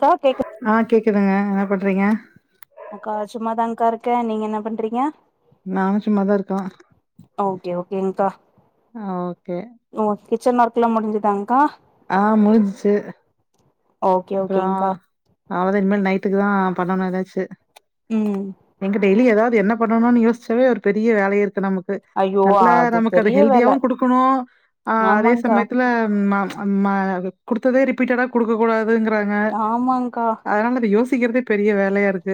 அக்கா கேக்கு அ கேக்குதுங்க இன்ன பண் றீங்க அக்கா சும்மாதான்கா இருக்கே நீங்க என்ன பண்றீங்க நானு சும்மாதா இருக்க ஓகே ஓகேங்க்கா அ ஓ கே ஓ கிச்சன் ஒர்க்குலா முடிஞ்சுதான்க்கா அ முடிஞ்ச்சு ஓகே ஓகேங்கா அவ்ள்தா இன்மேல் நைட்டுக்கு தா பண்ணணு எதாச்சு ம் எங்க டெய்லி எதா து என்ன பண்ணணுன் யோச்சாவே ஒரு பெரிய வேலயே இருக்கு நமுக் கு ஐயோ நல்லா நமுக் அது பெரிய வேல ஹெல்தியாவு குடுக்கணு அ அதே ஆமாங்க்கா சமயத்துல மாம் அம்மா எனக்கு குடுத்ததே ரிப்பீட்டடா குடுகு கூடா துங்குறாங்க ஆமாங்க்கா அதனால அத யோஸ் சிக்கற்தே பெரிய வேலையா இருக்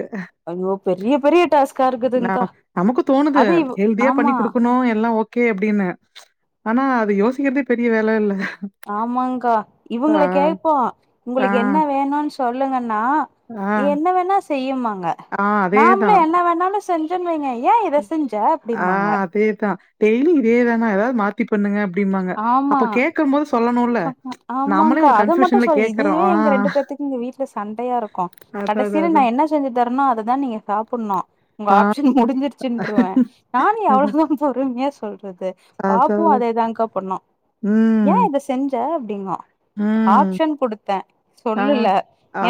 ஐயோ பெரிய பெரிய டாஸ்க்கா இருக்குதுங்கா நான் நமக்கு தோணுது அதுவு ஆமா கே அப்டின்னு ச்ச் ஆனா அது யோசிக்கற்தே பெரிய வேல இல்ல ஆமங்கா ஆ, இவங்கள கேப்போ ஆ, உங்களுக்கு என்ன வேணுன் சொல்லுங்கன் னா ஆ, என்ன வேணா ச செய்யுமா ஆ நாம்பளே அதேதான். என்ன வேணாலு செஞ்சன் வைங்க ஏ இத செஞ்ச ஆ அப்டிம்பாங்க அதேதான் டெய்லி இதேதானா எதாவ்து மாத்திப் பண்ணுங்க அப்டின்பாங்க அப்ப கேக்கம் போது சொ ச அ ஆமாங்கா அத மட்டும் சொல் கேக்குறோம் இதுவே ஆ எங்க ரெண்டு பேத்துக்கு இங்க வீட்டுல சண்டையா இருக்கும் அதான் அதான் கடைசியில அதான் நான் என்ன செஞ்சு தரன் அததான் நீங்க சாப்பட்னோ உங்க ஆ ஆப்ஷன் முடிஞ்சிருச்சுன்றுவேன் நானும் அதான் எவ்வளதான் பொறுமையா சொல்றது அதான் பாப்பும் அதான் அதைதான்கா பண்ணும் ம் ஏன் அத ச அப்படிங்கும் ம் ஆப்ஷன் கொடுத்தே ஆ சொல்லுல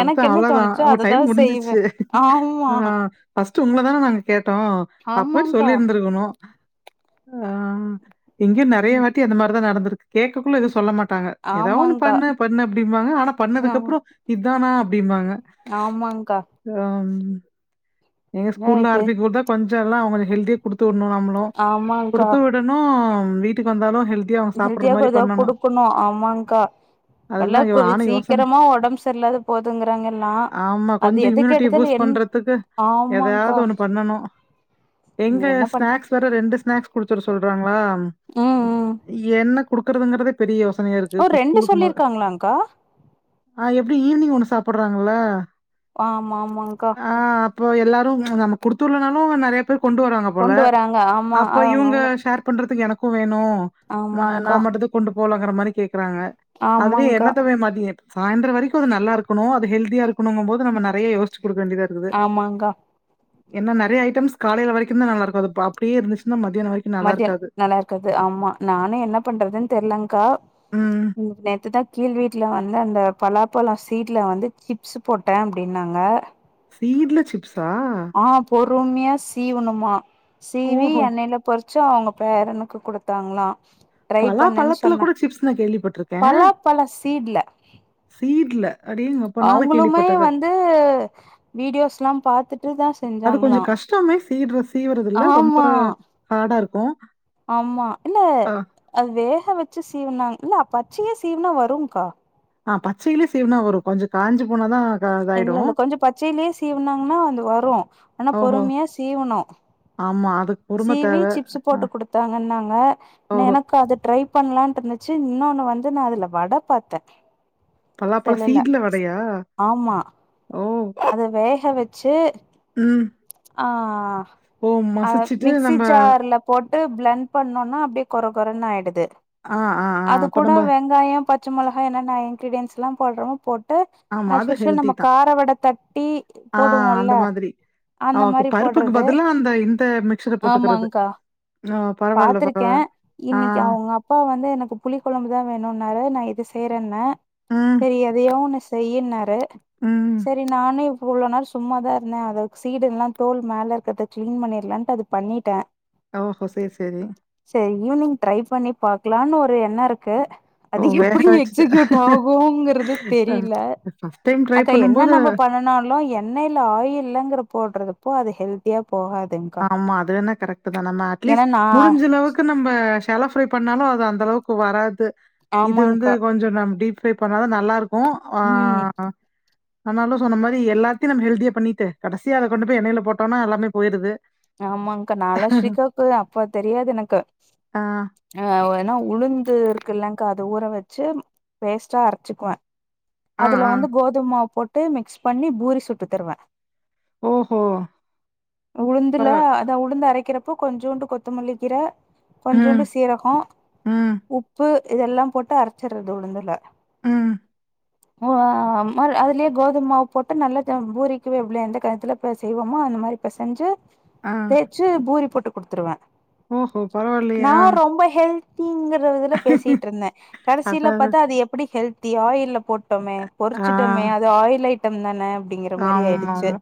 எனக்கு என்ன அவ்ளோதான் தோணுச்சோ உங்க அததா டைம் செய்வே ஆமா உங்களதானே நாங்க கேட்டோம் அப்பயே ஆமாங்க்கா சொல்லிருந்திருக்கணும் ம்ஹ் இங்கயும் நெறைய ம் வாட்டி அந்மாதிரி தான் நடந்திருக் கேட்கக்குள்ள எது சொல்ல மாட்டாங்க ஏதாவ் ஒன்னு ஆமாங்க்கா பண்ண பண்ண அப்டிம்பாங்க ஆனா பண்ணதுக்கு அப்புறம் இத் நானா அப்டிம்பாங்க ஆமாங்கா ம் நீங்க ஸ்கூல்ல ஆர்ப்பிக் குடுத்தா கொஞ்சம் எல்லாம் அவங்களே ஹெல்தியா குடுத்தோ நம்மளும் ஆமாங்க்கா குடுத்து விடணும் வீட்டுக்கு வந்தாலும் ஹெல் ஹெல்த்தியா எதாவது குடுக்கணும் ஆமாங்கா நல்லா அதுக்குதான் யோ கொ நானும் யோசனை. சீக்கிரமா உடம்பு சரியல்லாத போதுங்கறாங்க எல்லாம் அது எதுக்கு எடுத்தாலும் என் ஆமாங்க்கா எதாவது ஒண்ணு பண்ணனும் எங்க என்ன பண்ற ஸ்நாக்ஸ் வேற ரெண்டு ஸ்நாக்ஸ் குடுத்துட சொ சொல்றாங்களா அ ம் ம் என்னக் குடுக்குறதுங்கறத பெரிய யோசனையா இருக்கு. இப்ப ரெண்டு சொல்லிருக்காங்களாகா ஆஹ் எப்படி ஈவினிங் ஒண்ணு சாப்டுறாங்களல்ல ஆமா ஆமாங்கா இப்ப எல்லாரும் நம்ம கொடுத்து உடனாலும் நிறைய ய் கொண்டு வாங்க போல கொண்டு வராங்க ஆமா அப்ப இவங்க அவங்கவுங்களு ஷேர் பண்றதுக்கு எனக்கும் வேணும் ஆமாங்க்கா நான் மட்டு கொண்டு போல இருக்குற கே இருக்கறாங்க அதுலயே ஆமாங்க்கா என்னத்தவ மதிய சாயந்தர வரைக்கும் அ நல்லாக்கணும் அதுஹல்தியா இருக்கணும்போ நிறைய யோசிச்சு கொடுக்க வேண்டியத இருக்குது ஆமாங்க ஏன்னா நிறைய ஐட்டம்ஸ் காலையில வரைக்கும் தான் நல்லாக்கும் அதுப்ப அப்படியே இருந்துச்சு மதியம் நல்லா இருக்கது ஆமா நானும் என்ன பண்றதுன்னு தெறிலங்கா ம் நேத்துதா கீழ் வீட்டுல வந்தாங்க அந்த பலாப்பழோ சீட்ல வந்து சிப்ஸ் போட்டே அப்படின்னாங்க அப்டின்னாங்க சீட்ல சிப்ஸ் ஆ பொருமையா சீவுனுமா சீவி ஓஹோ எண்ணெயில பொறுச் ச்சி அவுங்க பேரனுக்கு குடுத்தாங்களாம் பலா பழத்துல கூட சிப்ஸ் நா கேள்விப்பட்டிருக்கே பலாப்பழ சீட்ல அடேங்கப்பா நானு அவுங்களுமே கேள்விப்பட்டது வந்து வீடியோஸ்லாம் பாத்துட் அது கொஞ்ச கஷ்டோ மிஸ் சீட்ல சீவுரதுல ரொம்ப ஆமா ஹாடா இருக் கோ ஆமா இல்ல அதுவே வேகவெச்சி சீவனாங்க இல்ல பச்சையா சீவுனா வரோங்கா ஆஹ் பச்சையில சீவுனா வரோ கொஞ்சோ காஞ்சி போனாதா இல்ல இதாயிடு இல்ல கொஞ்சோ பச்சையிலயே சீவுனாங்கன்னா அது வரோ ஆனா ஓஹோ பொறுமையா சீவனோ ஆமா அதுக்கு பொறும சிவி தேவ சிப்ஸ் ஆ போட்டு குடுத்தாங்கன்னாங்க ஓஹோ எனக்கு அது ட்ரை பண்ணலான்ட்டு இருந்துச்சு இன்னொன்னு வந்து நா அதுல வட பாத்தே பலா பழ செல்லல சீட்ல வடையா ஆமா ஓ அத வேக வெச்சு ம். ஆஹ் ஓ! ஆ அஹ மசிச்சுட்டு மிக்சி நம்ப ஜார்ல போட்டு பிளண்ட் பண்ணும்னா அப்டியே கொறக்கொறன்னு ஆயிடுது ஆ, ஆ, ஆ. அது அப்ப கூட நம்ப வெங்காயோ பச்ச மிளகா என்னென்ன இன்கிரிடியன்ஸ் எல்லாம் போட்ட ஒட்னே போட்டு அஹ் ஆமா, ஆஸ் அது யூசுவல் ஹெல்த்தி நம்ம தான். கார வட தட்டி ஆ போடுவோம்ல அந்த மாதிரி. ஓகே பருப்புக்கு பதல்லா அந்த இந்த மிக்சர போட்டுக்கறது ஆமாங்க்கா பாத்திருக்கே இன்னைக்கு அவுங்க அப்பா வந்து எனக்கு புளி குழம்பு தா வேணும்னாரு நா இது செய்றன்ன ம், சேரி எதைய ஒன்னு செய்யினாரு ம். சரி நானே இவ்ளோ நாள் சும்மாதா இருந்த அதது சீடு எல்லா தோல் மேல இருக்கிற தகிளீன் பண்ணிரலாமன்ட்டு அத பண்ணிட்ட ஓ ஹோ சேரி சேரி ஈவி்னிங் ட்ரை பண்ணி பாக்கலானு ஒரு எண்ணோ இருக்கு ஓ! அது வேக எப்படி வச்சுட்டு எக்ஸிஹூயூட் ஆகுங்கிறது அ தெரில ஃபர்ஸ்ட் டைம் ட்ரை அக்கா என்ன பண்ணும்போது நாம பண்ணனாலு எண்ணெய்ல ஆயில்லங்கிற போடுறது அப்போ அது ஹெல்தியா ஆமா அது வேணா கரெக்ட்டுதா நம்ம ஏன்னா அட்லீஸ்ட் நா முடிஞ்ச அளவுக்கு நம்ப சேலோ ஃப்ரை பண்ணாலு அது அந்த அளவு க்கு வராது இது வந்து ஆமாங்க்கா கொஞ்சோ நம் டீப் ஃப்ரை பண்ணாதா நல்லா இருக்கு ம் ஆஹ ஆனாலு சொன்ன மாரி எல்லாத்தையு நம்ம ஹெல்தியா பண்ணிட்டு கடைசியா அத கொண்டு போய் எண்ணயெய்ல போட்டோனா எல்லாமே போயிருது ஆமாங்க்கா நா எல்லா ஸ்ரீகாவுக்கு அப்ப தெரியாது எனக்கு ஆ. ஆஹ் உளுந்து இருக்கல்லங்க்கா அத ஊற வெச்சு பேஸ்ட்டா அரச்சிக்குவ ஆ, அதுல ஆ. வந்து கோதுமமாவு போட் ட்டு மிக்ஸ் பண்ணி பூரி சுட்டுத் தருவ ஓஹோ ப தில்ல அத உழுந்த அரைக்கிறப்போ கொஞ்சோண்டு கொத்தமல்லிக்கீற ம், கொஞ்சோண்டு சீரகோ ம், உப்பு இதெல்லாம் போட்டு அரைச்சர்றது உழுந்துல உம் ஓ அ ஆம் அதுலயே கோதும் மாவு போட்டு நல்லா பூரிக்குவே இவ்ளோ எந்த கணத்துல செய்வோமோ அந்த மாரி பெசஞ்சு ஆ. தேய்ச்சு பூரி போட் ட்டு குடுத்துருவ ஓஹோ பரவாயில்லயே திங்கறதுல பேசிட்ருந்த கடைசில அதான், பாத்தா அதான். அது எப்படி ஹெல் தி ஆயில்லபோட் டோமே பொறிச்சிட்டமே அது ஆயில் ஐட் டம்தான ஆமாம்மா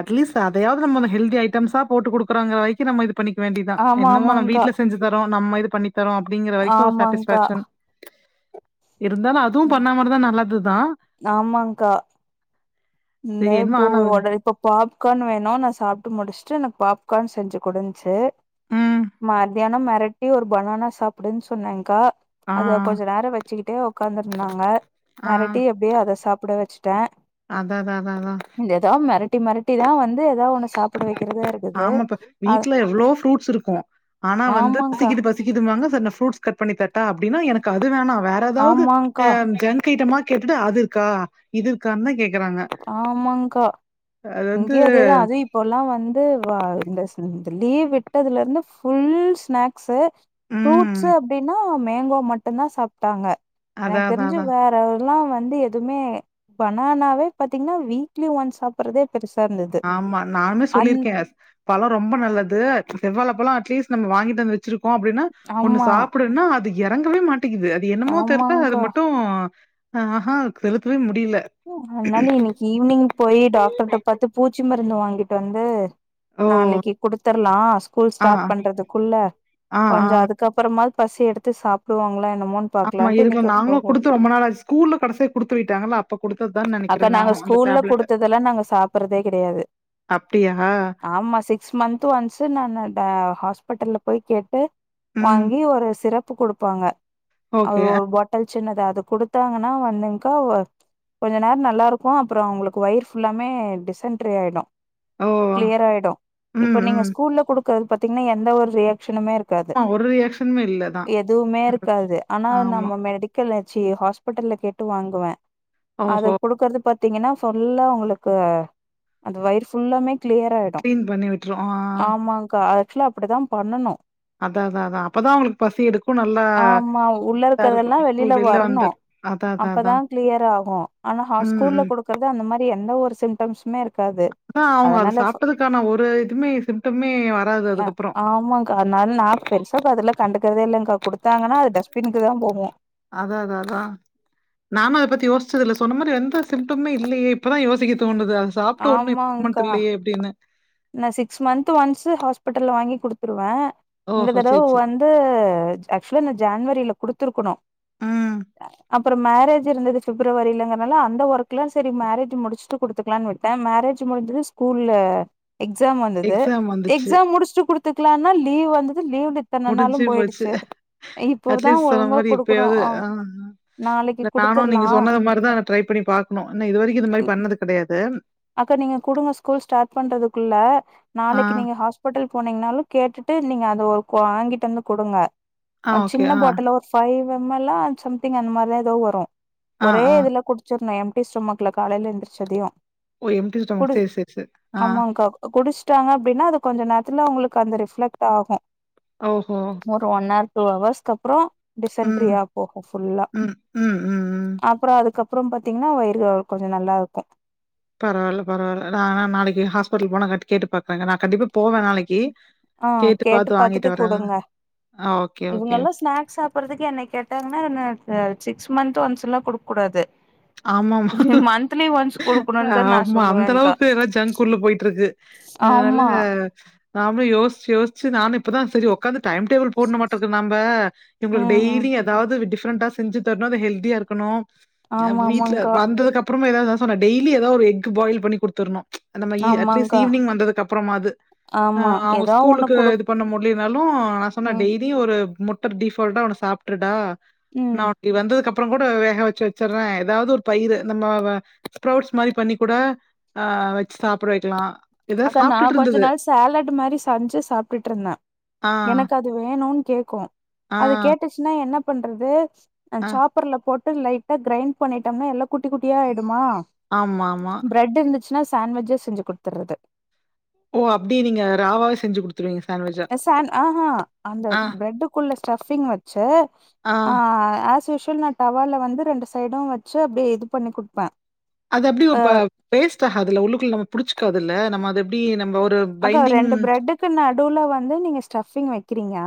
அட்லீஸ்ட் அதயாவது நம்ம ஹெல்தி ஐட்டம்ஸா போட்டு குடுக்குறாங்க வரைக்கு நம்ம இது பண்ணிக்க வேண்டியதா ஆமா என்னமோ நம்ம ஆமாங்க்கா வீட்ல செஞ்சு தரோ நம்ம பண்ணி தரு அப்படிங்ற வரைக்கு ஆமாங்க்கா சாட்டிஸ்பக்ஷன் இருந்தாலு அது பண்ணமாரிதா நல்லதுதா ஆமாங்க்கா இந்த இப்போ உ இப்ப பாப்கார்ன் வேணு நா சாப்ட்டு முடிச்சுட்டு பாப்கார்ன் செஞ்சு குடுஞ்சு ம். மான் மத்யான மெரட்டி ஒரு பனானா சாப்டுன்னு சொன்னேன்கா ஆ, அத கொஞ்ச நேர வச்சுக்கிட்டே ஒக்காந்துருந்தாங்க ஆ. மெரட்டி எப்டியோ அதை சாப்ட வச்சு ட்டே அதததததத ட்டி மெரட்டிதா வந்து எதா ஒன்னு சாப்பிட வைக் ஆமாப்ப வீட்ல எவ்ளோ ஃப்ரூட்ஸ் இருக்கு ஆனா வந்து ஆமாங்க்கா பசிக்கிது பசிக்கிதுவாங்க வாங்க [inaudible] புரூட்ஸ் கட்பண்ணிதர தா அப்டின்னா எனக்கு அது வேணா வேற ஏதாவது ஆமாங்க்கா ஆஹ் ஜங்க் ஐட்டமா கேட்டுட்டு அது இர்க்கா இது இர்க்கான்தா கேக் ஆமாங்க்கா அது வந்து இங்கே அதேதா அது இப்போல்லா வந்து வா இந்த [unintelligible] லீவ் விட்டதுலருந்து ஃபுல் ஸ்நாக்சு ம் ஃப்ரூட்சு அப்டினா மேங்கோ மட்டுந்தா சாப்ட்டாங்க அதா எனக்கு அதா தெரிஞ்சி அதா வேற இப்பெல்லா வந்து எதுவுமே பனானாவே பாத்தீங்கன்னா வீக்லி ஒன்ஸ் சா பிரதீப் ஆமா நானுமே சொல்லியிருக்கே பழ ரொம்ப நல்லது செவ்வால பழ அட்லீஸ்ட் நம் வாங்கிட்டு வந்து வச்சிருக்கு அப்டின்னா ஒண்ணு ஆமா சாப்டணு அது எறங்கவே மாட் ட்டிங்குது அது என்னமோ தெரியல அது ஆமாங்கா மட்டு ஆஹஹா அத க [unintelligible] அதனால இன்னைக்கு ஈவினிங் போய் டாக்டர்ர்க்ட பாத்த பூ பூச்சி மருந்து வாங்கிட்டு வந்து ஓ நாளைக்கு கொடுத்துரலா ஸ்கூல் ஆ ஸ்டார்ட் பண்றதுக்குள்ள ஆ ஆ கொஞ்ச அதுக்கப்புறமா பசி எடுத்து சாப்பிடுவாங்களா ஆமா இருங்க நாங்களும் கொடுத்து ரொம்ப நாள் ஆச்சு ஸ்கூல்ல கடைசியா குடுத்து விட்டாங்களா அப்ப நாங்க ஸ்கூல்ல குடுத்ததெல்லாம் நாங்க சாப்பிடுறதே கிடையாது அப்டியா? ஆமா சிக்ஸ் மன்த் ஒன்ஸ் நான் ஹாஸ்பிடல்ல போய் கேட்டு ம். வாங்கி ஒரு சிரப்பு சிரப்பு கொடுப்பாங்க அது ஓகே. ஒரு பாட்டில் சின்னதா அது கொடுத்தாங்கன்னா வந்துங்க்கா கொஞ்ச நேரம் நல்லா இருக்கும் அப்புறம் அவங்களுக்கு வயிறு ஃபுல்லாமே டிசன்ட்ரி ஆயிடும் ஓ! கிளியர் ஆயிடும் ம், இப்ப நீங்க ம். ஸ்கூல்ல கொடு கால் பாத்தீங்கன்னா எந்த ஒரு ரியாக்ட் சின்னமே இருக்காது ஆமா ஒரு ரியாக்ஷனுமே இல்ல தான். எதுவுமே இருக்காது ஆனா ஆமா. நம்ம மெடிக்கல் சி ஹாஸ்பிடல்ல கேட்டு வாங்குவேன் அது ஓஹோ! குடுக்கறது பத்தி பாத்தீங்கன்னா ஃபுல்லா உங்களுக்கு அந்த வயிறு ஃபுல்லாமே கிளியர் ஆயிடும் கிளீன் பண்ணி விட்டுரும். ஆ ஆமாங்கா ஆக்சுவலா அப்படிதான் பண்ணனும் அதா அதா அதான் அப்பதான் அவங்களுக்கு பசி எடுக்கும் நல்லா ஆமா உள்ள இதா இருக்கறதெல்லா வெளியில இருக்கும் வெளில வந்துரு அத அதான் அதான் ம் ஆனா ம், ஸ்கூல்ல ம். கொடுக்கிறது அந்த மாதிரி எந்த ஒரு சிம்டம்ஸ்மே இருக் இருக்காது அதான் அவங்க அது அதனால சாப்ட்டதுக்கான ஒரு இதுமே சிம்டமே வராது அதுக்கப்புறம். ஆமாங்க்கா அதனால ந பெருசா அதெலாம் கண்டு தெரியலேங்க்கா கொடுத்தாங்கன்னா அது டஸ்ட்பின்னுக்கு தான் போவும் அதான் அத அதான் நானும் அத பத்தி யோசிச்சது இல்ல சொன்ன மாதிரி எந்த சிம்டம்மே இல்லையே இப்பதான் யோசிக்க தோணுது அ அதை சாப்பிட்டு ஒண்ணும் இம்ப்ரூவ்மெண்ட் ஆமாங்க்கா இல்லையே அப்படின்னு நா சிக்ஸ் மந்த் ஒன்ஸ் ஹாஸ்பிட்டல்ல வாங்கி குடுத்துருவேன் இந்த ஓஹோ! தடவை சரி, சரி. வந்து ஆக்சுவலா நான் ஜான்வரியில குடுத்துருக்கணும் ம். அ அப்புறம் மேரேஜ் இருந்தது பிப்ரவரியிலங்கனால அந்த ஒர்க் எல்லாம் சரி மேரேஜ் முடிச்சுட்டு குடுத்துக்கலாம்னு விட்டேன் மேரேஜ் முடிஞ்சதும் ஸ்கூல்ல எக்ஸாம் வந்தது எக்ஸாம் வந்துச்சு. எக்ஸாம் முடிச்சுட்டு குடுத்துக்கலாம்னா லீவ் வந்து முடிஞ்சு போச்சு இப்போதா அட்லீஸ்ட் சொன்ன ஒழுங்கா மாரி குடுக்கணு இப்பயாவது அ ஆஹ் நாளைக்கு இல்ல நானும் குடுத்துர்லா நீங்க சொன்னது மாதிரிதான் ட்ரை பண்ணி பாக்கணும் இன்னும் இது வரைக்கும் இந்த மாதிரி பண்ணது கிடையாது அக்கா நீங்க குடுங்க ஸ்கூல் ஸ்டார்ட் பண்றதுக்குள்ள ஆ, நாளைக்கு நீங்க ஹாஸ்பிட்டல் போனீங்கன்னாலும் கேட்டுட்டு நீங்க அது ஒரு வாங்கிட்டு வந்து குடுங்க ஆ அ ஓகே. சின்ன ஆ, பாட்டல் ஒர் ஃபைவ் வெம்மெல்லா சம்திங் அந்த மாரிதா எதோ வரூ ஆ, ஒரே ஆ. இதுல குடிச்சிர்ணூ எம் டி ஸ்டேமாக்ல காலையில எந்திர்ச்சதையூ ஓ எம்டி ஸ்டமக் செர் செர் செர் ஆ ட்டாங்க அப்டின்னா அது கொஞ்ச நேரத்துல அவுங்ளுக்கு அந்த ரிஃப்ளெக்ட் ஆகூ ஓஹோ டூ ஹவர்ஸ்கப்றோ ம், டிசன்ட்ரியா போகூ ஃபுல்லா ம், ம், ம், ம். அப்றோ அதுக்கப் அப்றம் பாத்தீங்னா வயிறு அ கொஞ்சோ நல்லாருக்கூ பரவால பரவால்ல நா நாளைக்கு ஹாஸ்பிடல் போனா கட் கேட்டு பாக் ஆ கேட்டு பாத்து வாங்கிட்டு பாத்துட்டு வரேன். குடுங்க ஆ ஓகே, ஓகே. இவங்கல்லா ஸ்நாக்ஸ் சாப்பிட்றதுக்கு என்ன கேட்டாங்கன்னா ந ச் சி டூ மந்த்ஸ் ஒன்ஸ்லா குடுக்கூடாது ஆமாமா குடுக்கணுனு தா நா ஆமா சொல்லுவேங்க்கா அந்தளவுக்கு எல்லா ஜங்குள்ள போயிட்ருக்கு அத்னால ஆமா நா நாமே யோசிச்சு யோசிச்சு நானே இப்பதா செரி ஒக்காந்து டைம் டேபிள் போடணூமாட்டுக்கு நம்ப இவுங்ளுக்கு ம் ம் டெய்லி எதாவ்து டிஃப் டிஃப்ரண்டா செஞ்சு தர்ணூ அது ஹெல்தியா இருக்கணூ அ ஆமா வீட்ல ஆமாங்க்கா வந்ததுகப்ற் பமோ இததா சொன்னா டெய்லி ஏதாவ் ஒரு எக் பாயில் பண்ணி குடுத்துர்ணூ அந்தமாயி அட்லீஸ்ட் ஆமாங்க்கா ஈவினிங் வந்ததுக்கப்புறமாது ஆ ஆமா அவுங்க ஏதோ ஒண்ணு ஸ்கூலுக்கு குடு இது பண்ண முட்லினாலூ நா சொன்னே ம் டெய்லி ஒரு முட் பர் டிஃபால்டா ஒன்னு சாப்ட்ர்டா நா ம் அப்டி வந்ததுக்கப் ப்றோ கூட வேக வச்சச் ச்சர்றே ஏதாவ்து ஒரு பயிறு நம்ம ஸ்ப்ரவுட்ஸ் மாரி பண்ணி கூட ஆ வச்சு சாப்ட வெக்லா அக்கா நா கொஞ்ச நாள் சேலட் மாரி சஞ்சு சாப்டுட்ருந்த ஆ எனக்கு அது வேணூன் கேக்கூ ஆ அது கேட்டுச்சுன்னா என்னப் பண்றது அ ஆ சாப்பர்ல போட் லைட்டா கிரைண்ட் பண்ணிட்டோனா எல்லா குட்டிகுட்டி ஆயிடுமா ஆமாமா சினா சாண்ட்விஜ்ஜே செஞ்சு குடுத்துர்றது ஓ அப்டி நீங்க ராவாவே செஞ்சு குடுத் எ சாண் ஆஹா அந்த ஆ பிரட்டுக்குள்ள ஸ்டஃப்ஃபிங் வச்சு ஆ ஆஸ் யூஷ் தில் நா டவால வந்து ரெண்டு சைடூ வச்சு அப்டியே இது பண்ணி குப்பே அது அப்டி ப வேஸ்ட ஆ அதுல உள்ளுக் குள்ள நம்ம புடிச்சிக்காதுல்ல நம்ம அது எப்டி நம்ம ஒரு அக்கா பைண்டிங் ரெண்டு பிரெட்டுக்கு நடுவுல வந்து நீங்க ஸ்டிங் வைக்கிறீங்க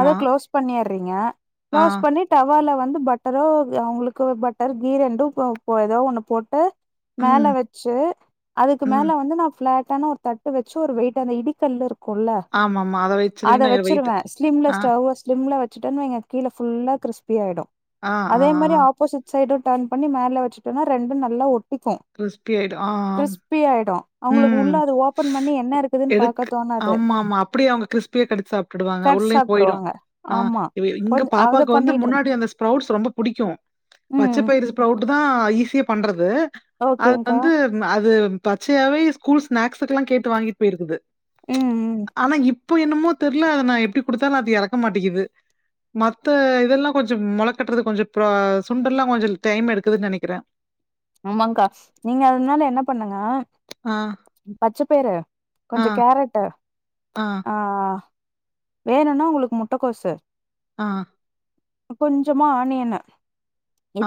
அத க்ளோஸ் பண்ணி றீங்க ஆ க்ளோஸ் பண்ணி டவால வந்து வந்து பட்டரோ அவங்களுக்கு பட்டர் கீ ரெண்டும் போ ஏதோ ஒண்ணு போட்டு ம் மேல வச்சு அதுக்கு ம் மேல வந்து நா ஃப்ளாட் டனோ தட் டு வச்சு ஒரு வெயிட் அந்த இடிக்கல்ல இருக் குல்ல ஆமாமா அத வச்சிருவீன்னா வெயிட் வச்சிருவே ஸ்லிம்ல ஆ ஸ்டவ்வ ஸ்லிம்ல சிட்டா நீங்க கீழ ஃபுல்லாக கிரிஸ்பி யாகிடும் ஆ ஆ அதே மாரி ஆ ஆப்போசிட் சைடு ட்டர்ன் பண்ணி மேல வச்சுட்டோனா ரெண்டும் நல்லா ஒ க்கும் கிறிஸ்பி ஆயிடும் ஆ கிரிஸ்பி ஆயிடும் அவங்களுக்கு உள்ள அது ஓ எடுக்கு ஆமா ஆமா அப்டியே அவங்க கிரிஸ்பியா கடித்து சாப்பிட்டுடுவாங்க கட் உள்ளயும் போயிடும் சாப்ட்ருவாங்க ஆ ஆமா இங்க கொஞ் அத பாப்பாவுக்கு வந்து பண்ணிட்டு முன்னாடி அந்த ஸ்ப்ரௌட்ஸ் ரொம்ப பிடிக்கும் பச்சை ம் பயிறு ஸ்பரவுட் தா ஈஸியா பண்றது அது ஓகேங்க்கா வந்து அது பச்சையவே ஸ்கூல் ஸ்நாக்ஸுக்குல்லா கேட்டு வாங்கிட்டு போயிருக்குது ம் ம் ஆனா இப் இப்போ என்னமோ தெரில அத நா எப்டி கொடுத்தாலும் அது இறக்க மாட்டேங்கிது மத்த இதெல்லாம் கொஞ்சம் மொள கட்டுறது கொஞ்சம் அப்றம் சுண்டெல்லாம் கொஞ்சம் டைம் எடுக்குதுன்னு நெனைக்கிறே ஆமாக்கா நீங்க அதனால என்ன பண்ணு னா ஆ, பச்ச பயறு ஆ, கொஞ்ச கேரட்டு ஆ ஆ வேணும்னா உங்களுக்கு முட்டக்கோசு ஆ கொஞ்சமா ஆனியனு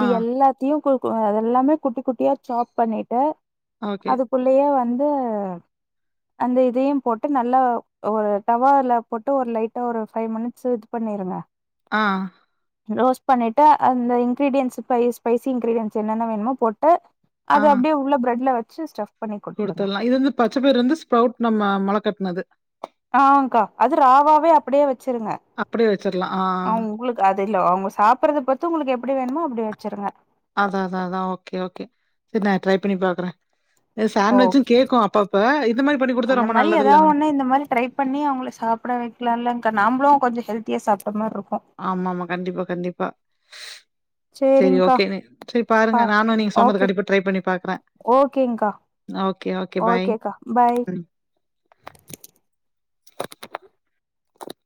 ஆ, எல்லாத்தையு கு அதெல்லாமே குட்டி குட்டியா சாப் பண்ணிட்டு ஓகே. அதுக்குள்ளயே வந்து வந்து அந்த இதையும் போட்டு நல்லா ஒரு டவால போட்டு ஒரு லைட்டா ஒரு பைவ் மினிட்ஸ் இது பண்ணிருங்க ஆ ரோஸ்ட் பண்ணிட்டு அந்த இங்கிரீடியன்ஸ் ஸ்பைஸ் ஸ்பைசி இங்கிரீடியன்ஸ் என்னென்ன வேணுமோ போட்டு அது அப்டியே உள்ள பிரட்ல வச்சு சு ஸ்டஃப் பண்ணி குடுத்துருங்க குடுத்துட்லா இது வந்து பச்ச பயறு வந்து ஸ்புரவுட் நம்ம மொளகட் அது ஆ கா அது ராவாவே அப்டியே வச்சிருங்க அப்படியே வச்சிரலாம். ஆ உங்ளுக்கு அது இல்ல அவங்க சாப்பறத பத்து உங்ளுக்கு எப்டி வேணுமோ அப்டி வே வச்சுருங்க அதா அதா அதா ஓகே ஓகே சரி நா ட்ரை பண்ணி பாக்குறே ஓ ஓகே ஓகே மாரி பண்ணி குடுத்தா அந்த ரொம்ப மாரி நல்லது ஏதா இல்ல நம் ஒண்ண இந்த மாரி ட்ரை பண்ணி அவங்கள சாப்ட வைக்கலால நாம்ளு கொஞ்சோ ஹெல்த்யா சாப் ஆமா ஆமா கண்டிப்பா கண்டிப்பா சரி சேரிங்க்கா ஓகே நீ சரி பாருங்க பா நானு நீங்க சொன்னது ஓகே கண்டிப்பா ட்ரை பண்ணி பாக்குறே ஓகேங்க்கா ஓகே ஓகே பாய் ஓகேக்கா பாய்